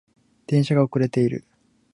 電車が遅れている